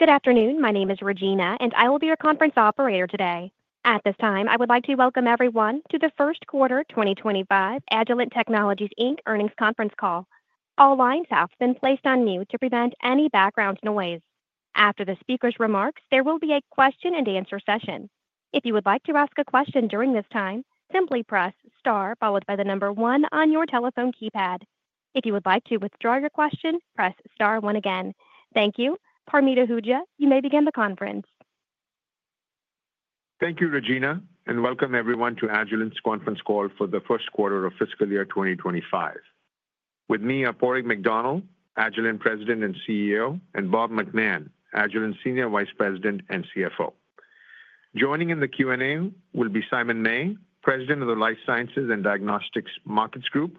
Good afternoon. My name is Regina, and I will be your conference operator today. At this time, I would like to welcome everyone to the First Quarter 2025 Agilent Technologies Inc Earnings Conference Call. All lines have been placed on mute to prevent any background noise. After the speaker's remarks, there will be a question-and-answer session. If you would like to ask a question during this time, simply press star followed by the number one on your telephone keypad. If you would like to withdraw your question, press star one again. Thank you. Parmeet Ahuja, you may begin the conference. Thank you, Regina, and welcome everyone to Agilent's conference call for the first quarter of fiscal year 2025. With me are Padraig McDonnell, Agilent President and CEO, and Bob McMahon, Agilent Senior Vice President and CFO. Joining in the Q&A will be Simon May, President of the Life Sciences and Diagnostics Markets Group,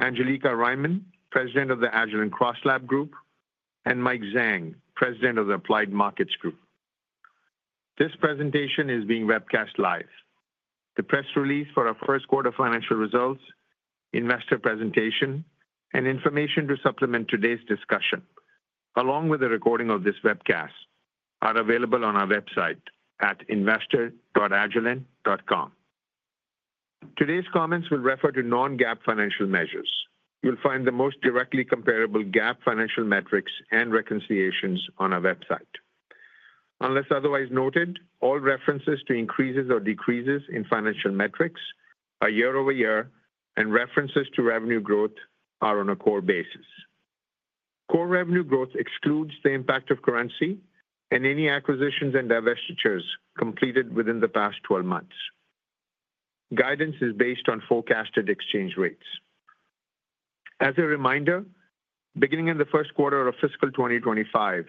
Angelica Riemann, President of the Agilent CrossLab Group, and Mike Zhang, President of the Applied Markets Group. This presentation is being webcast live. The press release for our first quarter financial results, investor presentation, and information to supplement today's discussion, along with a recording of this webcast, are available on our website at investor.agilent.com. Today's comments will refer to non-GAAP financial measures. You'll find the most directly comparable GAAP financial metrics and reconciliations on our website. Unless otherwise noted, all references to increases or decreases in financial metrics are year-over-year, and references to revenue growth are on a core basis. Core revenue growth excludes the impact of currency and any acquisitions and divestitures completed within the past 12 months. Guidance is based on forecasted exchange rates. As a reminder, beginning in the first quarter of fiscal 2025,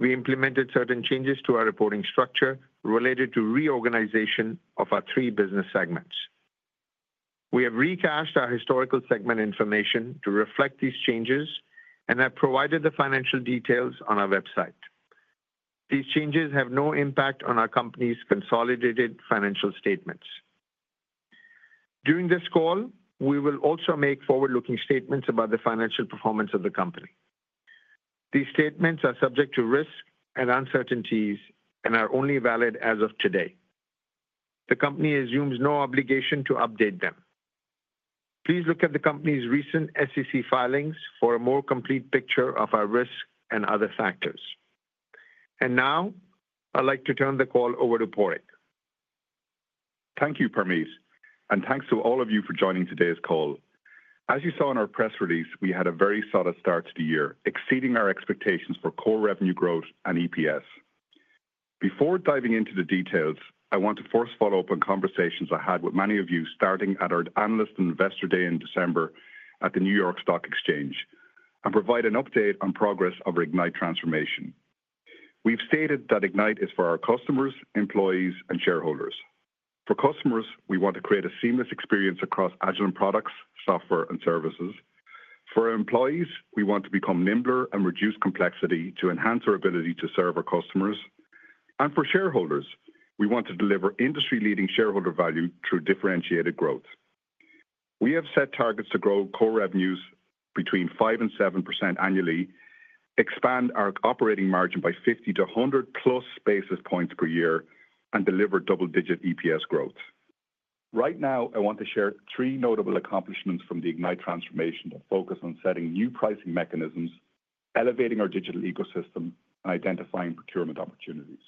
we implemented certain changes to our reporting structure related to reorganization of our three business segments. We have recast our historical segment information to reflect these changes and have provided the financial details on our website. These changes have no impact on our company's consolidated financial statements. During this call, we will also make forward-looking statements about the financial performance of the company. These statements are subject to risk and uncertainties and are only valid as of today. The company assumes no obligation to update them. Please look at the company's recent SEC filings for a more complete picture of our risk and other factors, and now I'd like to turn the call over to Padraig. Thank you, Parmeet, and thanks to all of you for joining today's call. As you saw in our press release, we had a very solid start to the year, exceeding our expectations for core revenue growth and EPS. Before diving into the details, I want to first follow up on conversations I had with many of you starting at our Analyst and Investor Day in December at the New York Stock Exchange and provide an update on progress of Ignite transformation. We've stated that Ignite is for our customers, employees, and shareholders. For customers, we want to create a seamless experience across Agilent products, software, and services. For employees, we want to become nimbler and reduce complexity to enhance our ability to serve our customers. And for shareholders, we want to deliver industry-leading shareholder value through differentiated growth. We have set targets to grow core revenues between 5% and 7% annually, expand our operating margin by 50 to 100+ basis points per year, and deliver double-digit EPS growth. Right now, I want to share three notable accomplishments from the Ignite transformation that focus on setting new pricing mechanisms, elevating our digital ecosystem, and identifying procurement opportunities.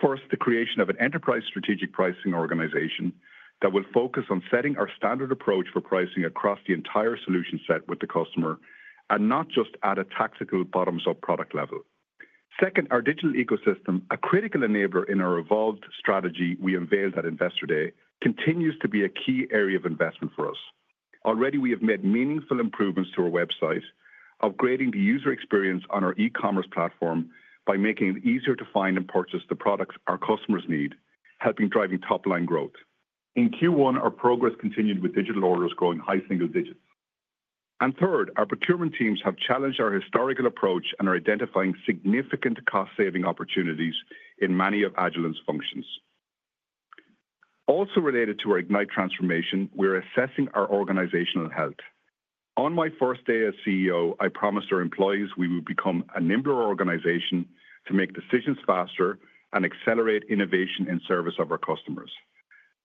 First, the creation of an enterprise strategic pricing organization that will focus on setting our standard approach for pricing across the entire solution set with the customer and not just at a tactical bottoms-up product level. Second, our digital ecosystem, a critical enabler in our evolved strategy we unveiled at Investor Day, continues to be a key area of investment for us. Already, we have made meaningful improvements to our website, upgrading the user experience on our e-commerce platform by making it easier to find and purchase the products our customers need, helping drive top-line growth. In Q1, our progress continued with digital orders growing high single digits. And third, our procurement teams have challenged our historical approach and are identifying significant cost-saving opportunities in many of Agilent's functions. Also related to our Ignite transformation, we are assessing our organizational health. On my first day as CEO, I promised our employees we would become a nimbler organization to make decisions faster and accelerate innovation in service of our customers.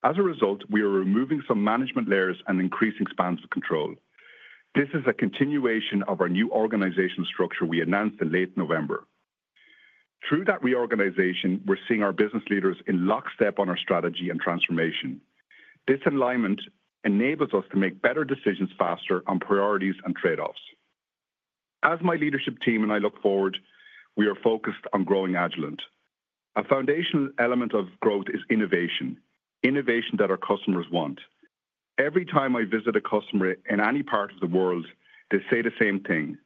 As a result, we are removing some management layers and increasing spans of control. This is a continuation of our new organizational structure we announced in late November. Through that reorganization, we're seeing our business leaders in lockstep on our strategy and transformation. This alignment enables us to make better decisions faster on priorities and trade-offs. As my leadership team and I look forward, we are focused on growing Agilent. A foundational element of growth is innovation, innovation that our customers want. Every time I visit a customer in any part of the world, they say the same thing.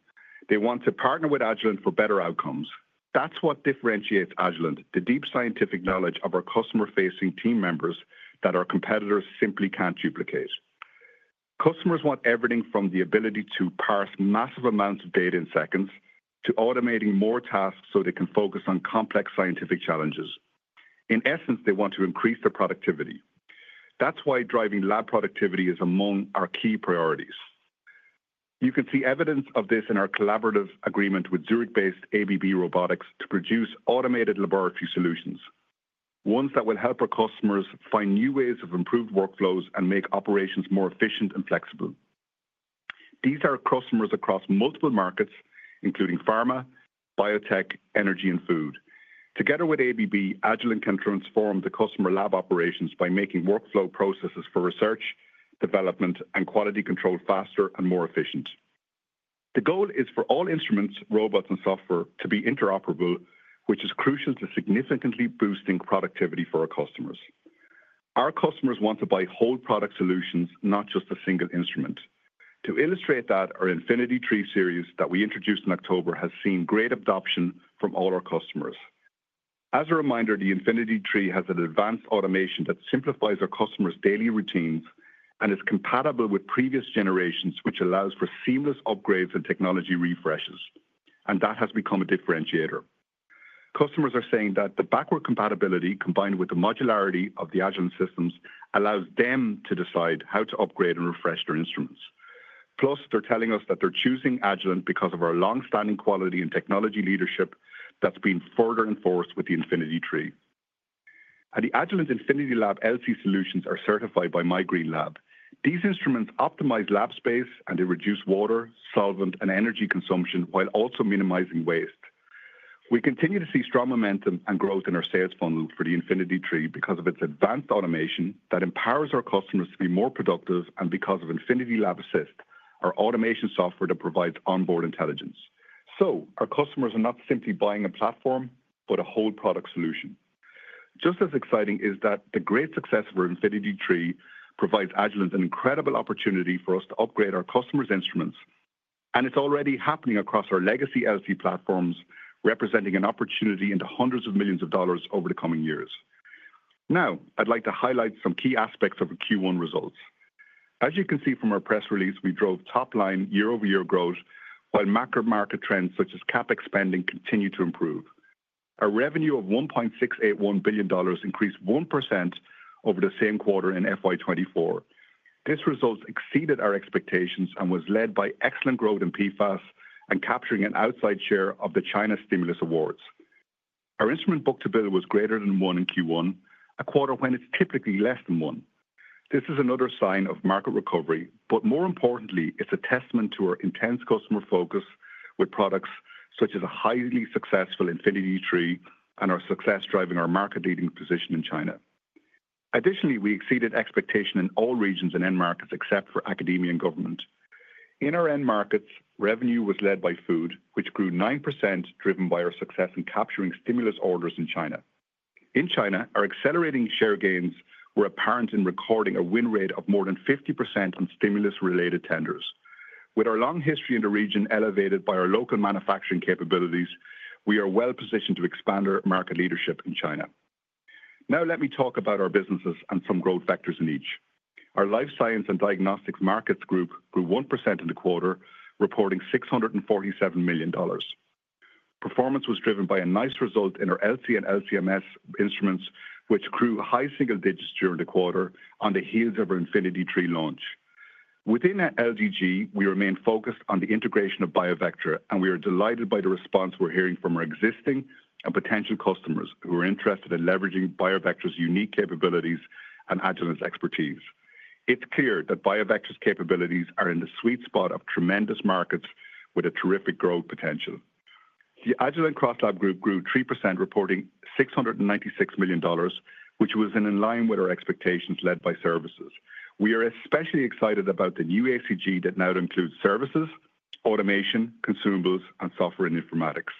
They want to partner with Agilent for better outcomes. That's what differentiates Agilent: the deep scientific knowledge of our customer-facing team members that our competitors simply can't duplicate. Customers want everything from the ability to parse massive amounts of data in seconds to automating more tasks so they can focus on complex scientific challenges. In essence, they want to increase their productivity. That's why driving lab productivity is among our key priorities. You can see evidence of this in our collaborative agreement with Zurich-based ABB Robotics to produce automated laboratory solutions, ones that will help our customers find new ways of improved workflows and make operations more efficient and flexible. These are customers across multiple markets, including pharma, biotech, energy, and food. Together with ABB, Agilent can transform the customer lab operations by making workflow processes for research, development, and quality control faster and more efficient. The goal is for all instruments, robots, and software to be interoperable, which is crucial to significantly boosting productivity for our customers. Our customers want to buy whole product solutions, not just a single instrument. To illustrate that, our Infinity III series that we introduced in October has seen great adoption from all our customers. As a reminder, the Infinity III has an advanced automation that simplifies our customers' daily routines and is compatible with previous generations, which allows for seamless upgrades and technology refreshes, and that has become a differentiator. Customers are saying that the backward compatibility combined with the modularity of the Agilent systems allows them to decide how to upgrade and refresh their instruments. Plus, they're telling us that they're choosing Agilent because of our long-standing quality and technology leadership that's been further enforced with the Infinity III. The Agilent InfinityLab LC solutions are certified by My Green Lab. These instruments optimize lab space, and they reduce water, solvent, and energy consumption while also minimizing waste. We continue to see strong momentum and growth in our sales funnel for the Infinity III because of its advanced automation that empowers our customers to be more productive and because of InfinityLab Assist, our automation software that provides onboard intelligence, so our customers are not simply buying a platform, but a whole product solution. Just as exciting is that the great success of our Infinity III provides Agilent an incredible opportunity for us to upgrade our customers' instruments, and it's already happening across our legacy LC platforms, representing an opportunity into hundreds of millions of dollars over the coming years. Now, I'd like to highlight some key aspects of our Q1 results. As you can see from our press release, we drove top-line year-over-year growth while macro market trends such as CapEx spending continue to improve. Our revenue of $1.681 billion increased 1% over the same quarter in FY24. This result exceeded our expectations and was led by excellent growth in PFAS and capturing an outsized share of the China Stimulus Awards. Our instrument book to bill was greater than one in Q1, a quarter when it's typically less than one. This is another sign of market recovery, but more importantly, it's a testament to our intense customer focus with products such as a highly successful Infinity III and our success driving our market-leading position in China. Additionally, we exceeded expectations in all regions and end markets except for academia and government. In our end markets, revenue was led by food, which grew 9% driven by our success in capturing stimulus orders in China. In China, our accelerating share gains were apparent in recording a win rate of more than 50% on stimulus-related tenders. With our long history in the region elevated by our local manufacturing capabilities, we are well-positioned to expand our market leadership in China. Now, let me talk about our businesses and some growth factors in each. Our Life Sciences and Diagnostics Markets Group grew 1% in the quarter, reporting $647 million. Performance was driven by a nice result in our LC and LC/MS instruments, which grew high single digits during the quarter on the heels of our Infinity III launch. Within LDG, we remain focused on the integration of BioVectra, and we are delighted by the response we're hearing from our existing and potential customers who are interested in leveraging BioVectra's unique capabilities and Agilent's expertise. It's clear that BioVectra's capabilities are in the sweet spot of tremendous markets with a terrific growth potential. The Agilent CrossLab Group grew 3%, reporting $696 million, which was in line with our expectations led by services. We are especially excited about the new ACG that now includes services, automation, consumables, and software and informatics.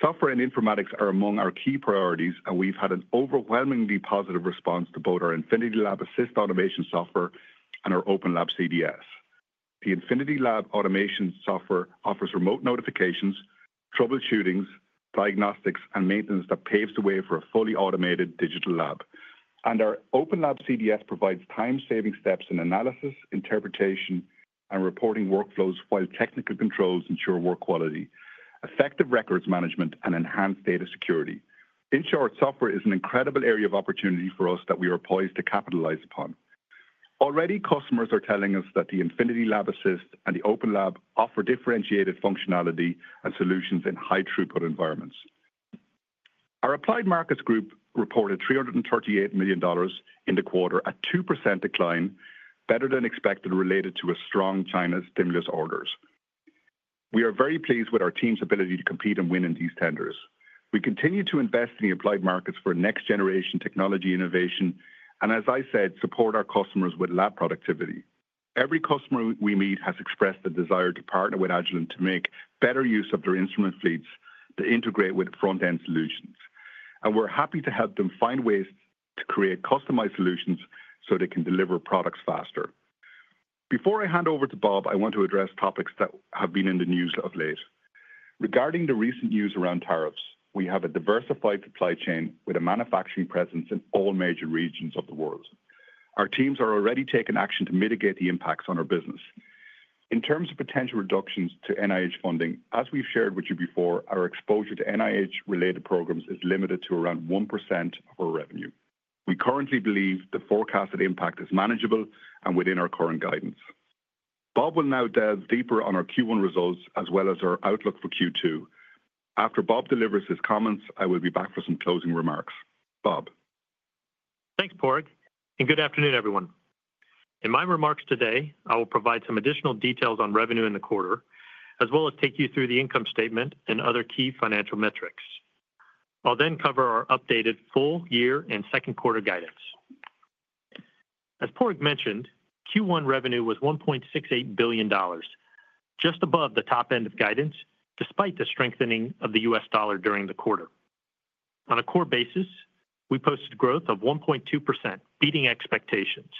Software and informatics are among our key priorities, and we've had an overwhelmingly positive response to both our InfinityLab Assist automation software and our OpenLab CDS. The InfinityLab automation software offers remote notifications, troubleshooting, diagnostics, and maintenance that paves the way for a fully automated digital lab, and our OpenLab CDS provides time-saving steps in analysis, interpretation, and reporting workflows while technical controls ensure work quality, effective records management, and enhanced data security. In short, software is an incredible area of opportunity for us that we are poised to capitalize upon. Already, customers are telling us that the InfinityLab Assist and the OpenLab offer differentiated functionality and solutions in high throughput environments. Our Applied Markets Group reported $338 million in the quarter at 2% decline, better than expected related to a strong China stimulus orders. We are very pleased with our team's ability to compete and win in these tenders. We continue to invest in the applied markets for next-generation technology innovation and, as I said, support our customers with lab productivity. Every customer we meet has expressed the desire to partner with Agilent to make better use of their instrument fleets to integrate with front-end solutions. And we're happy to help them find ways to create customized solutions so they can deliver products faster. Before I hand over to Bob, I want to address topics that have been in the news of late. Regarding the recent news around tariffs, we have a diversified supply chain with a manufacturing presence in all major regions of the world. Our teams are already taking action to mitigate the impacts on our business. In terms of potential reductions to NIH funding, as we've shared with you before, our exposure to NIH-related programs is limited to around 1% of our revenue. We currently believe the forecasted impact is manageable and within our current guidance. Bob will now delve deeper on our Q1 results as well as our outlook for Q2. After Bob delivers his comments, I will be back for some closing remarks. Bob. Thanks, Padraig, and good afternoon, everyone. In my remarks today, I will provide some additional details on revenue in the quarter, as well as take you through the income statement and other key financial metrics. I'll then cover our updated full year and second quarter guidance. As Padraig mentioned, Q1 revenue was $1.68 billion, just above the top end of guidance, despite the strengthening of the U.S. dollar during the quarter. On a core basis, we posted growth of 1.2%, beating expectations.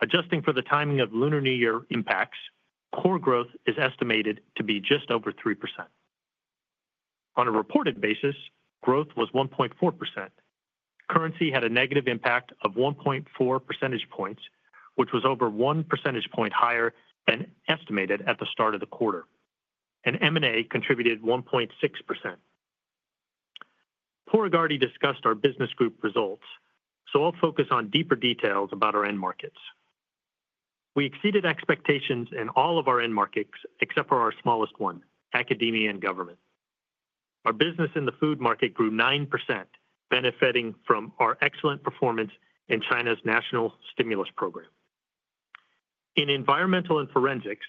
Adjusting for the timing of Lunar New Year impacts, core growth is estimated to be just over 3%. On a reported basis, growth was 1.4%. Currency had a negative impact of 1.4 percentage points, which was over one percentage point higher than estimated at the start of the quarter, and M&A contributed 1.6%. Padraig discussed our business group results, so I'll focus on deeper details about our end markets. We exceeded expectations in all of our end markets except for our smallest one, academia and government. Our business in the food market grew 9%, benefiting from our excellent performance in China's national stimulus program. In environmental and forensics,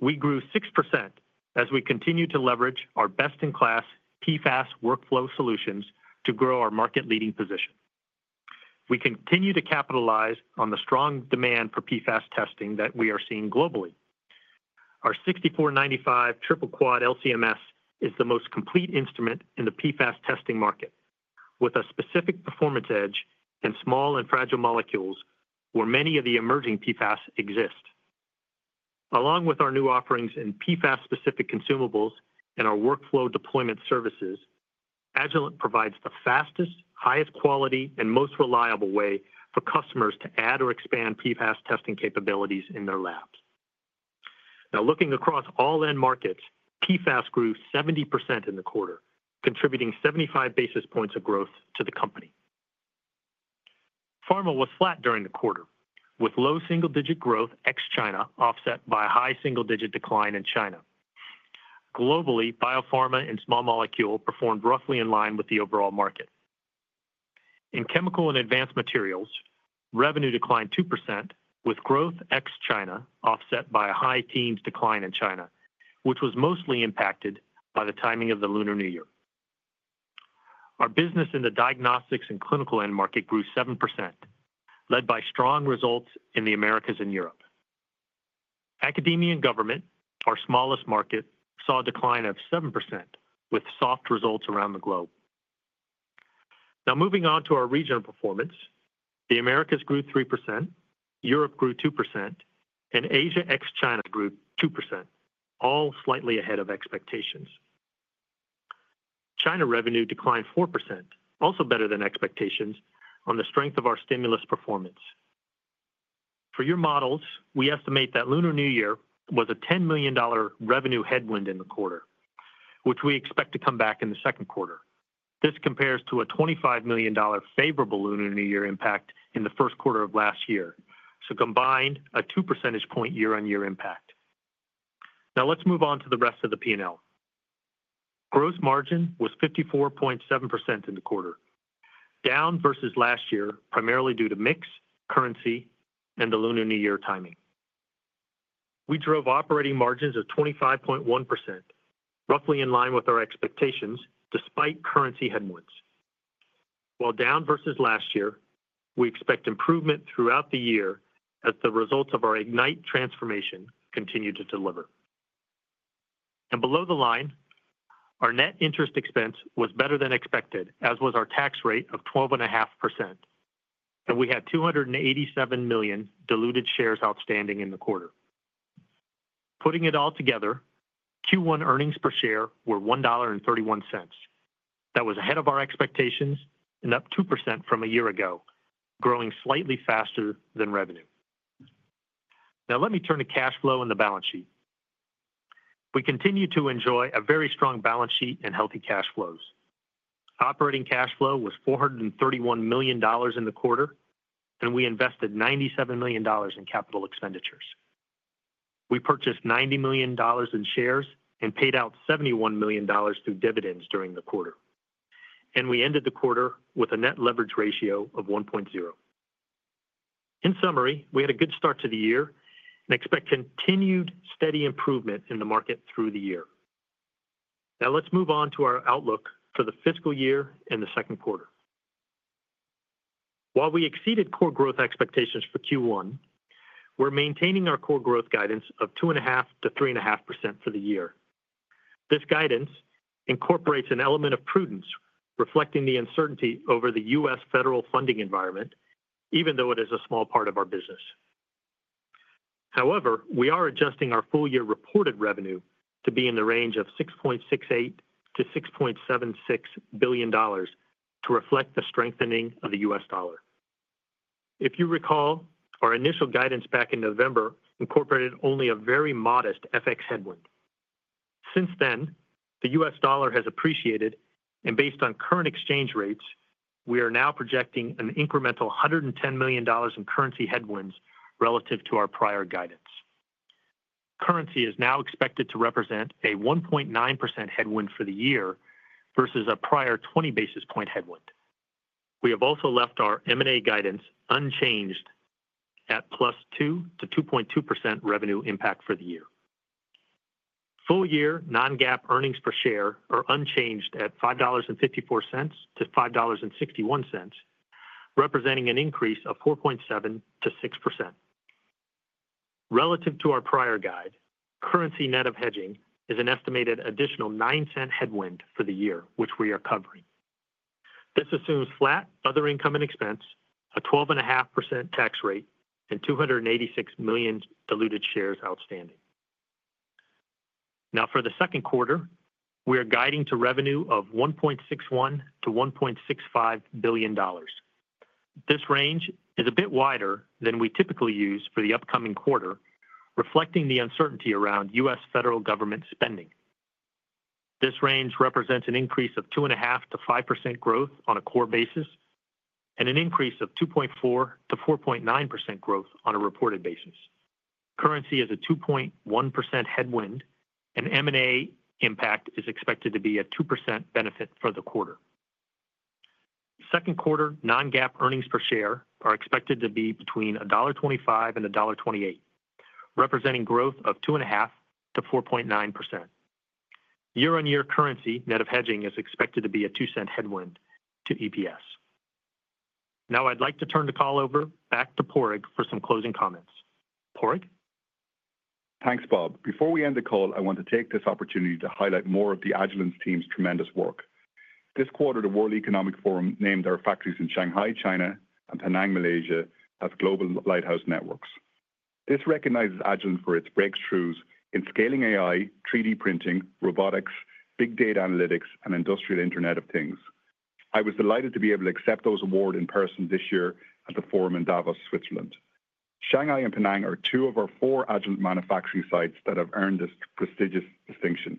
we grew 6% as we continue to leverage our best-in-class PFAS workflow solutions to grow our market-leading position. We continue to capitalize on the strong demand for PFAS testing that we are seeing globally. Our 6495 triple quad LC/MS is the most complete instrument in the PFAS testing market, with a specific performance edge and small and fragile molecules where many of the emerging PFAS exist. Along with our new offerings in PFAS-specific consumables and our workflow deployment services, Agilent provides the fastest, highest quality, and most reliable way for customers to add or expand PFAS testing capabilities in their labs. Now, looking across all end markets, PFAS grew 70% in the quarter, contributing 75 basis points of growth to the company. Pharma was flat during the quarter, with low single-digit growth ex-China, offset by a high single-digit decline in China. Globally, biopharma and small molecule performed roughly in line with the overall market. In chemical and advanced materials, revenue declined 2%, with growth ex-China, offset by a high teens decline in China, which was mostly impacted by the timing of the Lunar New Year. Our business in the diagnostics and clinical end market grew 7%, led by strong results in the Americas and Europe. Academia and government, our smallest market, saw a decline of 7%, with soft results around the globe. Now, moving on to our regional performance, the Americas grew 3%, Europe grew 2%, and Asia ex-China grew 2%, all slightly ahead of expectations. China revenue declined 4%, also better than expectations, on the strength of our stimulus performance. For your models, we estimate that Lunar New Year was a $10 million revenue headwind in the quarter, which we expect to come back in the second quarter. This compares to a $25 million favorable Lunar New Year impact in the first quarter of last year, so combined, a 2 percentage point year-on-year impact. Now, let's move on to the rest of the P&L. Gross margin was 54.7% in the quarter, down versus last year, primarily due to mixed currency and the Lunar New Year timing. We drove operating margins of 25.1%, roughly in line with our expectations, despite currency headwinds. While down versus last year, we expect improvement throughout the year as the results of our Ignite transformation continue to deliver. And below the line, our net interest expense was better than expected, as was our tax rate of 12.5%. And we had 287 million diluted shares outstanding in the quarter. Putting it all together, Q1 earnings per share were $1.31. That was ahead of our expectations and up 2% from a year ago, growing slightly faster than revenue. Now, let me turn to cash flow and the balance sheet. We continue to enjoy a very strong balance sheet and healthy cash flows. Operating cash flow was $431 million in the quarter, and we invested $97 million in capital expenditures. We purchased $90 million in shares and paid out $71 million through dividends during the quarter. And we ended the quarter with a net leverage ratio of 1.0. In summary, we had a good start to the year and expect continued steady improvement in the market through the year. Now, let's move on to our outlook for the fiscal year and the second quarter. While we exceeded core growth expectations for Q1, we're maintaining our core growth guidance of 2.5%-3.5% for the year. This guidance incorporates an element of prudence, reflecting the uncertainty over the U.S. federal funding environment, even though it is a small part of our business. However, we are adjusting our full year reported revenue to be in the range of $6.68-$6.76 billion to reflect the strengthening of the U.S. dollar. If you recall, our initial guidance back in November incorporated only a very modest FX headwind. Since then, the U.S. dollar has appreciated, and based on current exchange rates, we are now projecting an incremental $110 million in currency headwinds relative to our prior guidance. Currency is now expected to represent a 1.9% headwind for the year versus a prior 20 basis point headwind. We have also left our M&A guidance unchanged at +2% to 2.2% revenue impact for the year. Full year non-GAAP earnings per share are unchanged at $5.54-$5.61, representing an increase of 4.7%-6%. Relative to our prior guide, currency net of hedging is an estimated additional $0.09 headwind for the year, which we are covering. This assumes flat other income and expense, a 12.5% tax rate, and 286 million diluted shares outstanding. Now, for the second quarter, we are guiding to revenue of $1.61-$1.65 billion. This range is a bit wider than we typically use for the upcoming quarter, reflecting the uncertainty around U.S. federal government spending. This range represents an increase of 2.5%-5% growth on a core basis and an increase of 2.4%-4.9% growth on a reported basis. Currency is a 2.1% headwind, and M&A impact is expected to be a 2% benefit for the quarter. Second quarter non-GAAP earnings per share are expected to be between $1.25 and $1.28, representing growth of 2.5%-4.9%. Year-on-year currency net of hedging is expected to be a $0.02 headwind to EPS. Now, I'd like to turn the call over back to Padraig for some closing comments. Padraig? Thanks, Bob. Before we end the call, I want to take this opportunity to highlight more of the Agilent's team's tremendous work. This quarter, the World Economic Forum named our factories in Shanghai, China, and Penang, Malaysia, as Global Lighthouse Network. This recognizes Agilent for its breakthroughs in scaling AI, 3D printing, robotics, big data analytics, and industrial Internet of Things. I was delighted to be able to accept those awards in person this year at the forum in Davos, Switzerland. Shanghai and Penang are two of our four Agilent manufacturing sites that have earned this prestigious distinction.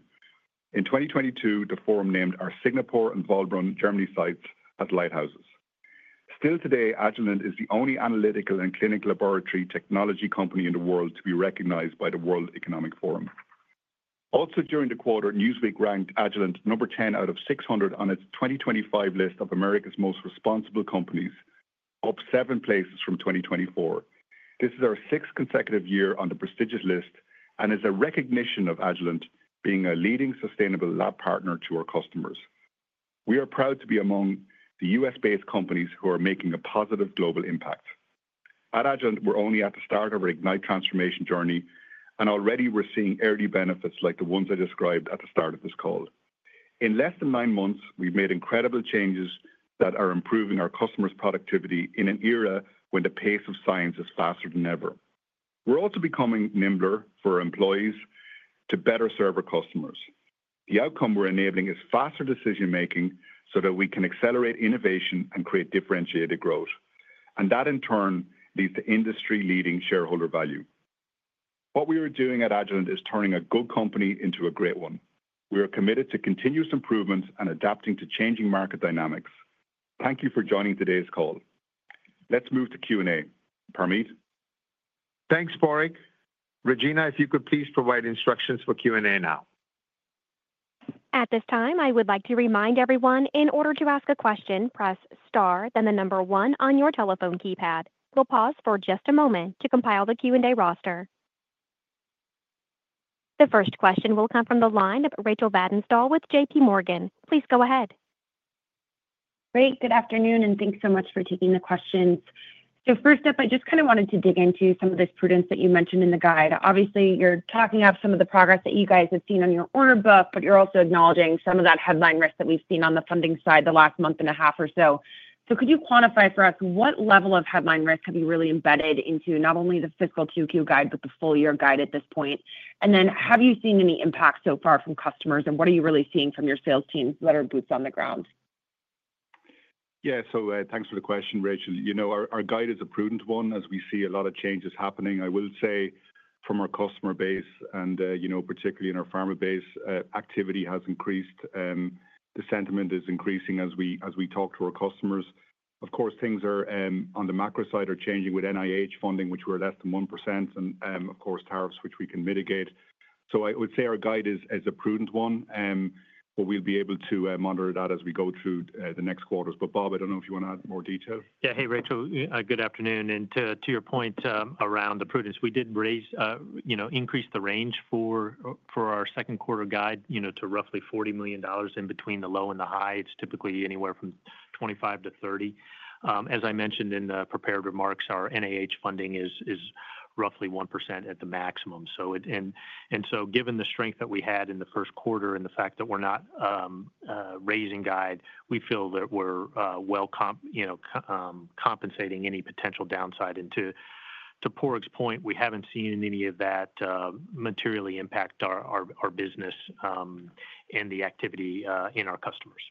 In 2022, the forum named our Singapore and Waldbronn, Germany sites as lighthouses. Still today, Agilent is the only analytical and clinical laboratory technology company in the world to be recognized by the World Economic Forum. Also, during the quarter, Newsweek ranked Agilent number 10 out of 600 on its 2025 list of America's Most Responsible Companies, up seven places from 2024. This is our sixth consecutive year on the prestigious list and is a recognition of Agilent being a leading sustainable lab partner to our customers. We are proud to be among the U.S.-based companies who are making a positive global impact. At Agilent, we're only at the start of our Ignite transformation journey, and already we're seeing early benefits like the ones I described at the start of this call. In less than nine months, we've made incredible changes that are improving our customers' productivity in an era when the pace of science is faster than ever. We're also becoming nimbler for our employees to better serve our customers. The outcome we're enabling is faster decision-making so that we can accelerate innovation and create differentiated growth. And that, in turn, leads to industry-leading shareholder value. What we are doing at Agilent is turning a good company into a great one. We are committed to continuous improvements and adapting to changing market dynamics. Thank you for joining today's call. Let's move to Q&A. Parmeet? Thanks, Padraig. Regina, if you could please provide instructions for Q&A now. At this time, I would like to remind everyone, in order to ask a question, press star, then the number one on your telephone keypad. We'll pause for just a moment to compile the Q&A roster. The first question will come from the line of Rachel Vatnsdal with J.P. Morgan. Please go ahead. Great. Good afternoon, and thanks so much for taking the questions. So first up, I just kind of wanted to dig into some of this prudence that you mentioned in the guide. Obviously, you're talking up some of the progress that you guys have seen on your order book, but you're also acknowledging some of that headline risk that we've seen on the funding side the last month and a half or so. So could you quantify for us what level of headline risk have you really embedded into not only the fiscal Q2 guide, but the full year guide at this point? And then have you seen any impact so far from customers, and what are you really seeing from your sales teams that are boots on the ground? Yeah, so thanks for the question, Rachel. Our guide is a prudent one, as we see a lot of changes happening. I will say from our customer base, and particularly in our pharma base, activity has increased. The sentiment is increasing as we talk to our customers. Of course, things on the macro side are changing with NIH funding, which we're less than 1%, and of course, tariffs, which we can mitigate. So I would say our guide is a prudent one, but we'll be able to monitor that as we go through the next quarters. But Bob, I don't know if you want to add more detail. Yeah, hey, Rachel. Good afternoon. And to your point around the prudence, we did increase the range for our second quarter guide to roughly $40 million in between the low and the high. It's typically anywhere from $25 million-$30 million. As I mentioned in the prepared remarks, our NIH funding is roughly 1% at the maximum. And so given the strength that we had in the first quarter and the fact that we're not raising guide, we feel that we're well compensating any potential downside. And to Padraig's point, we haven't seen any of that materially impact our business and the activity in our customers.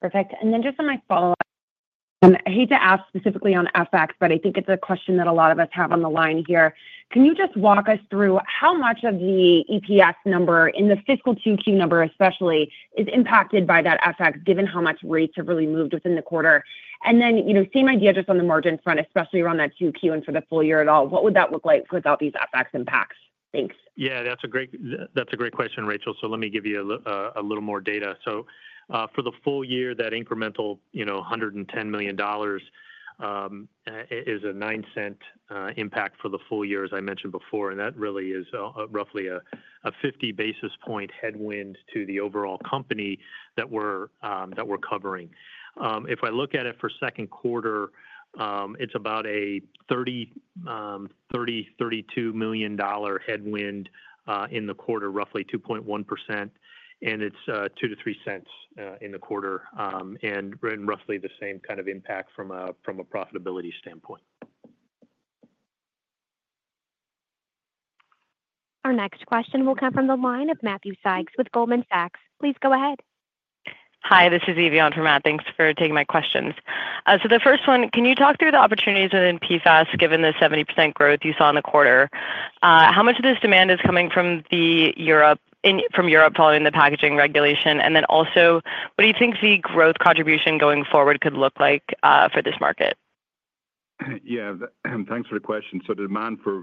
Perfect. And then just on my follow-up, I hate to ask specifically on FX, but I think it's a question that a lot of us have on the line here. Can you just walk us through how much of the EPS number, in the fiscal Q2 number especially, is impacted by that FX, given how much rates have really moved within the quarter? And then same idea just on the margin front, especially around that Q2 and for the full year at all, what would that look like without these FX impacts? Thanks. Yeah, that's a great question, Rachel. So let me give you a little more data. So for the full year, that incremental $110 million is a $0.09 impact for the full year, as I mentioned before. And that really is roughly a 50 basis points headwind to the overall company that we're covering. If I look at it for second quarter, it's about a $30 million-$32 million headwind in the quarter, roughly 2.1%, and it's $0.02 to $0.03 in the quarter, and roughly the same kind of impact from a profitability standpoint. Our next question will come from the line of Matthew Sykes with Goldman Sachs. Please go ahead. Hi, this is Eve on for Matthew. Thanks for taking my questions. So the first one, can you talk through the opportunities within PFAS, given the 70% growth you saw in the quarter? How much of this demand is coming from Europe following the packaging regulation? And then, what do you think the growth contribution going forward could look like for this market? Yeah, thanks for the question. So the demand for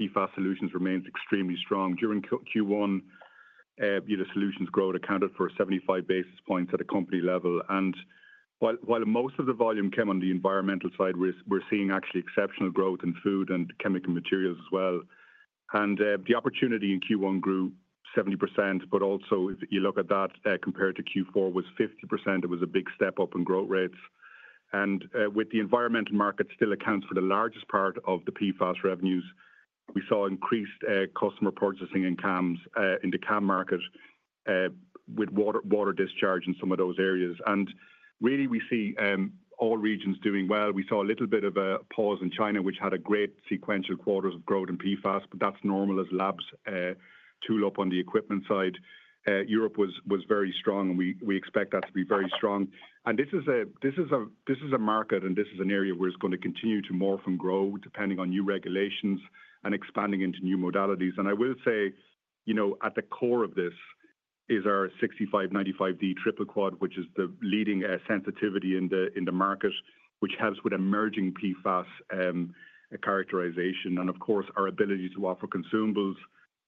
PFAS solutions remains extremely strong. During Q1, solutions growth accounted for 75 basis points at a company level. And while most of the volume came on the environmental side, we're seeing actually exceptional growth in food and chemical materials as well. And the opportunity in Q1 grew 70%, but also if you look at that compared to Q4, it was 50%. It was a big step up in growth rates. And with the environmental market still accounts for the largest part of the PFAS revenues, we saw increased customer purchasing in the CAM market with water discharge in some of those areas. And really, we see all regions doing well. We saw a little bit of a pause in China, which had a great sequential quarter of growth in PFAS, but that's normal as labs tool up on the equipment side. Europe was very strong, and we expect that to be very strong. And this is a market, and this is an area where it's going to continue to morph and grow depending on new regulations and expanding into new modalities. And I will say at the core of this is our 6495D Triple quad, which is the leading sensitivity in the market, which helps with emerging PFAS characterization. And of course, our ability to offer consumables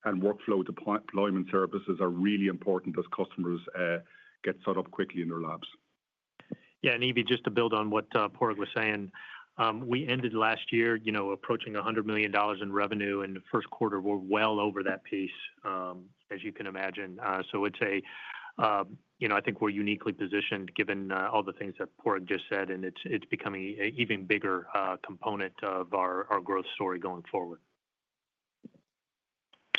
and workflow deployment services are really important as customers get set up quickly in their labs. Yeah, and maybe just to build on what Padraig was saying, we ended last year approaching $100 million in revenue, and the first quarter we're well over that piece, as you can imagine. So I would say I think we're uniquely positioned given all the things that Padraig just said, and it's becoming an even bigger component of our growth story going forward.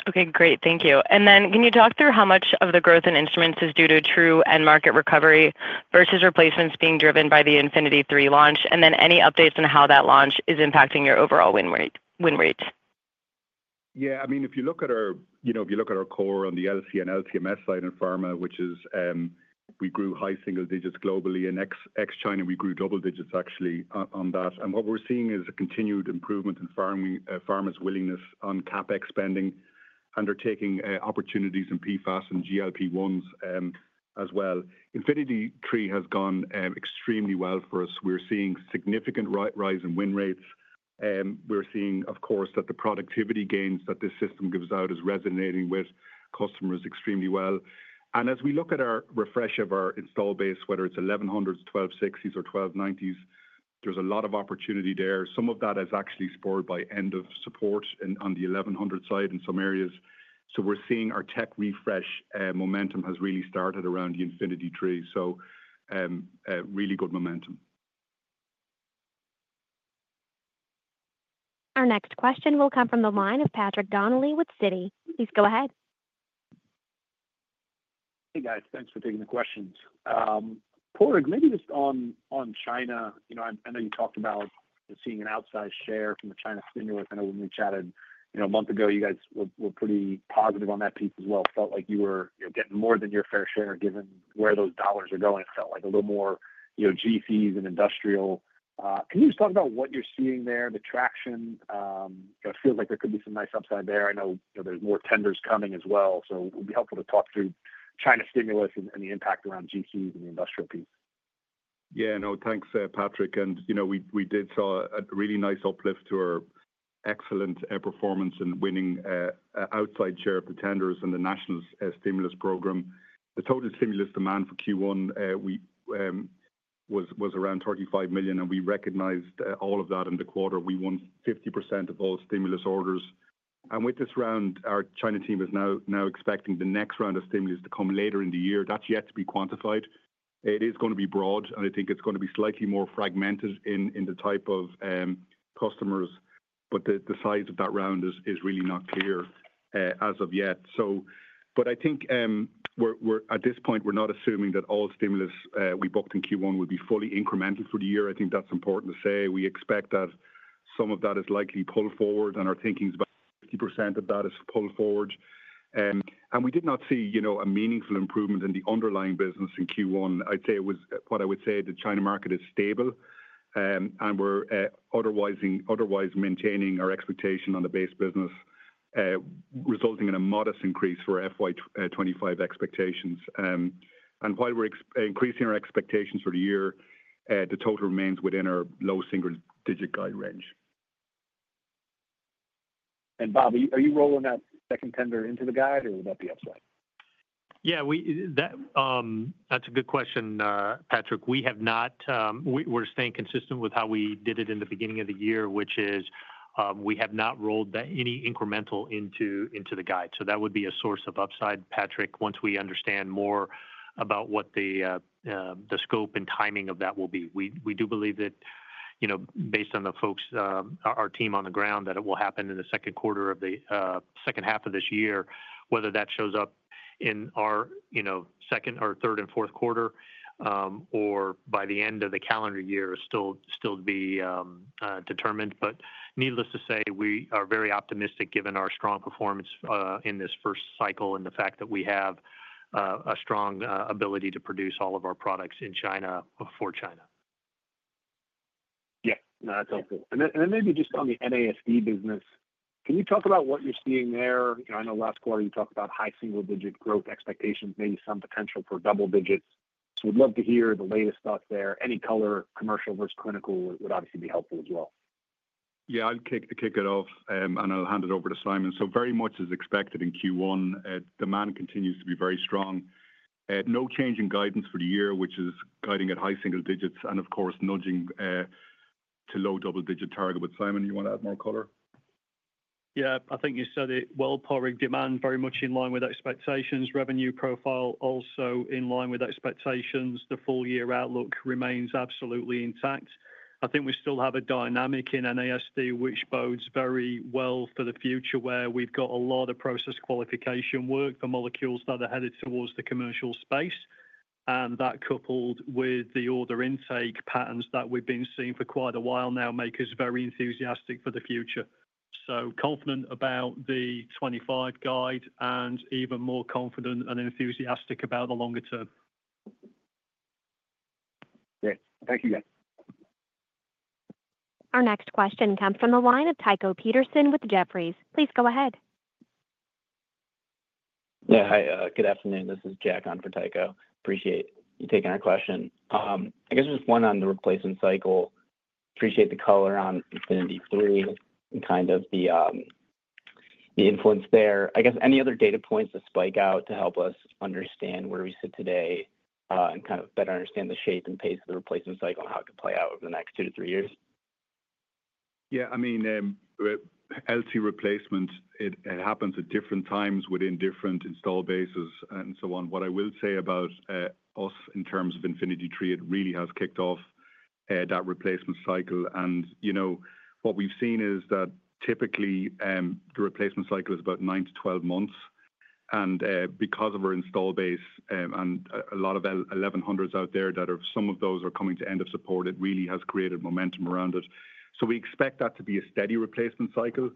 Okay, great. Thank you. And then can you talk through how much of the growth in instruments is due to true end market recovery versus replacements being driven by the Infinity III launch? And then any updates on how that launch is impacting your overall win rate? Yeah, I mean, if you look at our core on the LC and LCMS side in pharma, which is, we grew high single digits globally. In ex-China, we grew double digits actually on that. And what we're seeing is a continued improvement in pharma's willingness on CapEx spending, undertaking opportunities in PFAS and GLP-1s as well. Infinity III has gone extremely well for us. We're seeing significant rise in win rates. We're seeing, of course, that the productivity gains that this system gives out is resonating with customers extremely well. And as we look at our refresh of our install base, whether it's 1100s, 1260s, or 1290s, there's a lot of opportunity there. Some of that is actually spurred by end of support on the 1100 side in some areas. So we're seeing our tech refresh momentum has really started around the Infinity III. Really good momentum. Our next question will come from the line of Patrick Donnelly with Citi. Please go ahead. Hey, guys. Thanks for taking the questions. Padraig, maybe just on China, I know you talked about seeing an outsized share from the China stimulus. I know when we chatted a month ago, you guys were pretty positive on that piece as well. Felt like you were getting more than your fair share given where those dollars are going. It felt like a little more GCs and industrial. Can you just talk about what you're seeing there, the traction? It feels like there could be some nice upside there. I know there's more tenders coming as well. So it would be helpful to talk through China stimulus and the impact around GCs and the industrial piece. Yeah, no, thanks, Patrick. And we did see a really nice uplift to our excellent performance in winning outsized share of the tenders and the national stimulus program. The total stimulus demand for Q1 was around $35 million, and we recognized all of that in the quarter. We won 50% of all stimulus orders. And with this round, our China team is now expecting the next round of stimulus to come later in the year. That's yet to be quantified. It is going to be broad, and I think it's going to be slightly more fragmented in the type of customers. But the size of that round is really not clear as of yet. But I think at this point, we're not assuming that all stimulus we booked in Q1 will be fully incremental for the year. I think that's important to say. We expect that some of that is likely pulled forward, and our thinking is about 50% of that is pulled forward. And we did not see a meaningful improvement in the underlying business in Q1. I'd say it was what I would say the China market is stable, and we're otherwise maintaining our expectation on the base business, resulting in a modest increase for FY25 expectations. And while we're increasing our expectations for the year, the total remains within our low single digit guide range. And Bob, are you rolling that second tender into the guide, or would that be upside? Yeah, that's a good question, Patrick. We have not. We're staying consistent with how we did it in the beginning of the year, which is we have not rolled any incremental into the guide. So that would be a source of upside, Patrick, once we understand more about what the scope and timing of that will be. We do believe that, based on the folks, our team on the ground, that it will happen in the second quarter of the second half of this year. Whether that shows up in our second or third and fourth quarter or by the end of the calendar year is still to be determined. But needless to say, we are very optimistic given our strong performance in this first cycle and the fact that we have a strong ability to produce all of our products in China for China. Yeah, no, that's helpful. And then maybe just on the NASD business, can you talk about what you're seeing there? I know last quarter you talked about high single digit growth expectations, maybe some potential for double digits. Would love to hear the latest stuff there. Any color commercial versus clinical would obviously be helpful as well. Yeah, I'll kick it off, and I'll hand it over to Simon. So very much as expected in Q1, demand continues to be very strong. No change in guidance for the year, which is guiding at high single digits and, of course, nudging to low double digit target. But Simon, you want to add more color? Yeah, I think you said it well. Padraig, demand very much in line with expectations. Revenue profile also in line with expectations. The full year outlook remains absolutely intact. I think we still have a dynamic in NASD, which bodes very well for the future, where we've got a lot of process qualification work for molecules that are headed towards the commercial space. And that coupled with the order intake patterns that we've been seeing for quite a while now makes us very enthusiastic for the future. So confident about the 2025 guide and even more confident and enthusiastic about the longer term. Great. Thank you, guys. Our next question comes from the line of Tycho Peterson with Jefferies. Please go ahead. Yeah, hi. Good afternoon. This is Jack on for Tycho. Appreciate you taking our question. I guess just one on the replacement cycle. Appreciate the color on Infinity III and kind of the influence there. I guess any other data points to stick out to help us understand where we sit today and kind of better understand the shape and pace of the replacement cycle and how it could play out over the next two to three years? Yeah, I mean, LC replacement, it happens at different times within different install bases and so on. What I will say about us in terms of Infinity III, it really has kicked off that replacement cycle, and what we've seen is that typically the replacement cycle is about nine to 12 months, and because of our install base and a lot of 1100s out there that are some of those are coming to end of support, it really has created momentum around it, so we expect that to be a steady replacement cycle.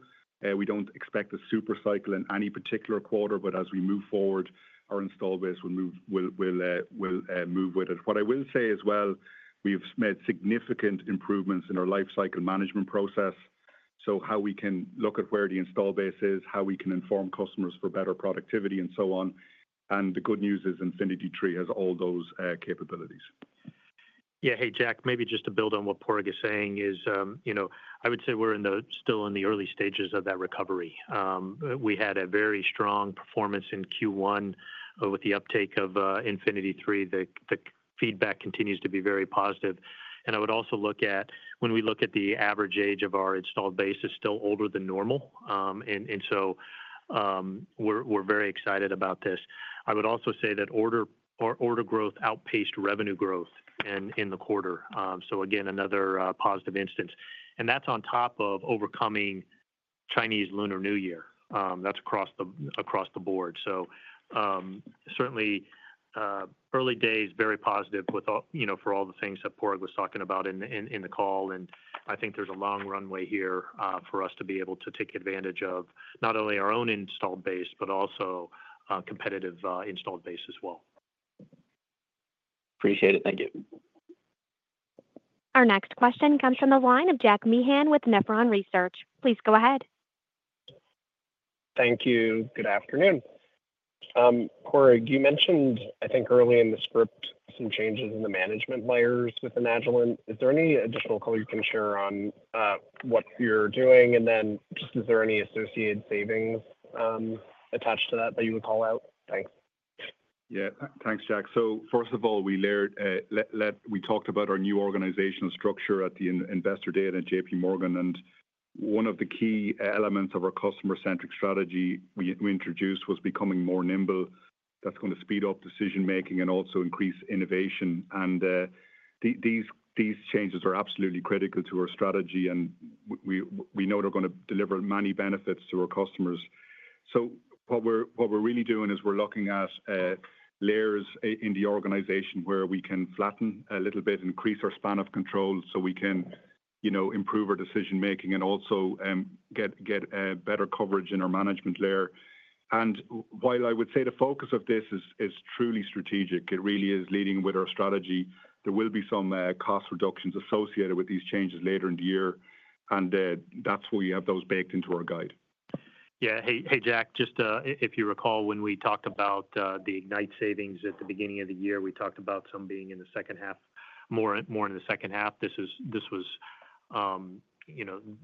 We don't expect a super cycle in any particular quarter, but as we move forward, our install base will move with it. What I will say as well, we've made significant improvements in our life cycle management process. So how we can look at where the install base is, how we can inform customers for better productivity and so on. And the good news is Infinity III has all those capabilities. Yeah, hey, Jack, maybe just to build on what Padraig is saying is I would say we're still in the early stages of that recovery. We had a very strong performance in Q1 with the uptake of Infinity III. The feedback continues to be very positive. And I would also look at when we look at the average age of our installed base is still older than normal. And so we're very excited about this. I would also say that order growth outpaced revenue growth in the quarter. So again, another positive instance. And that's on top of overcoming Chinese Lunar New Year. That's across the board. So certainly early days, very positive for all the things that Padraig was talking about in the call. I think there's a long runway here for us to be able to take advantage of not only our own installed base, but also competitive installed base as well. Appreciate it. Thank you. Our next question comes from the line of Jack Meehan with Nephron Research. Please go ahead. Thank you. Good afternoon. Padraig, you mentioned, I think early in the script, some changes in the management layers within Agilent. Is there any additional color you can share on what you're doing? And then just is there any associated savings attached to that that you would call out? Thanks. Yeah, thanks, Jack. So first of all, we talked about our new organizational structure at the Investor Day at JPMorgan. And one of the key elements of our customer-centric strategy we introduced was becoming more nimble. That's going to speed up decision-making and also increase innovation. And these changes are absolutely critical to our strategy, and we know they're going to deliver many benefits to our customers. So what we're really doing is we're looking at layers in the organization where we can flatten a little bit, increase our span of control so we can improve our decision-making and also get better coverage in our management layer. And while I would say the focus of this is truly strategic, it really is leading with our strategy. There will be some cost reductions associated with these changes later in the year. And that's where you have those baked into our guide. Yeah. Hey, Jack, just if you recall when we talked about the Ignite savings at the beginning of the year, we talked about some being in the second half, more in the second half. This was,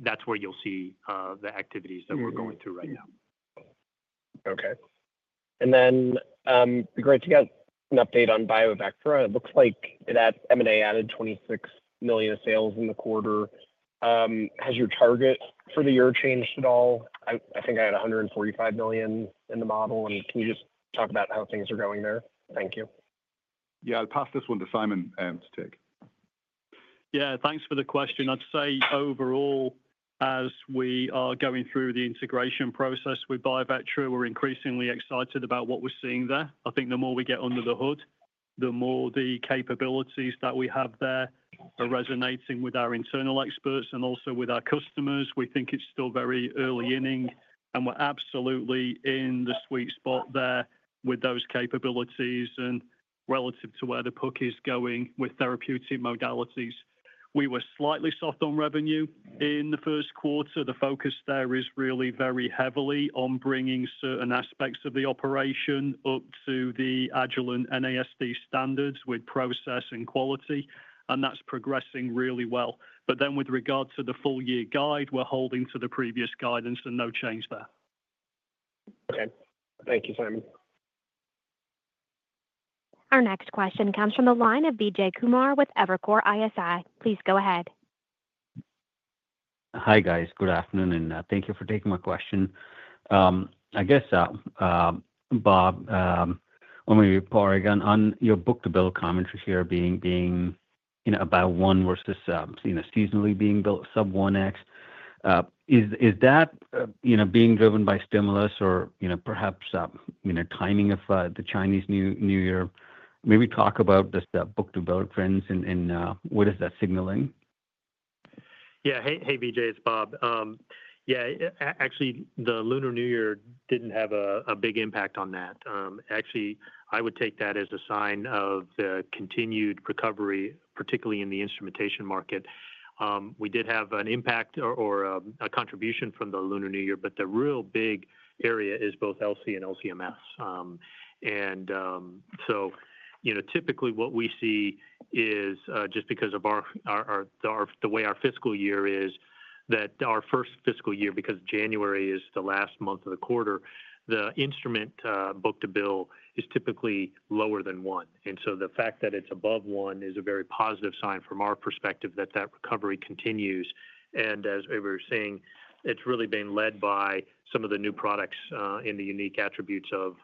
that's where you'll see the activities that we're going through right now. Okay. And then we got an update on BioVectra. It looks like that M&A added $26 million sales in the quarter. Has your target for the year changed at all? I think I had $145 million in the model. And can you just talk about how things are going there? Thank you. Yeah, I'll pass this one to Simon to take. Yeah, thanks for the question. I'd say overall, as we are going through the integration process with BioVectra, we're increasingly excited about what we're seeing there. I think the more we get under the hood, the more the capabilities that we have there are resonating with our internal experts and also with our customers. We think it's still very early inning, and we're absolutely in the sweet spot there with those capabilities and relative to where the puck is going with therapeutic modalities. We were slightly soft on revenue in the first quarter. The focus there is really very heavily on bringing certain aspects of the operation up to the Agilent NASD standards with process and quality. And that's progressing really well. But then with regard to the full year guide, we're holding to the previous guidance and no change there. Okay. Thank you, Simon. Our next question comes from the line of Vijay Kumar with Evercore ISI. Please go ahead. Hi guys. Good afternoon, and thank you for taking my question. I guess, Bob, when we parse your book-to-bill commentary here being about 1 versus seasonally being below sub-1x, is that being driven by stimulus or perhaps timing of the Chinese New Year? Maybe talk about this book-to-bill trends and what is that signaling? Yeah. Hey, Vijay, it's Bob. Yeah, actually, the Lunar New Year didn't have a big impact on that. Actually, I would take that as a sign of the continued recovery, particularly in the instrumentation market. We did have an impact or a contribution from the Lunar New Year, but the real big area is both LC and LC/MS. And so typically what we see is just because of the way our fiscal year is that our first fiscal year, because January is the last month of the quarter, the instrument book to bill is typically lower than one. And so the fact that it's above one is a very positive sign from our perspective that that recovery continues. As we were saying, it's really been led by some of the new products and the unique attributes of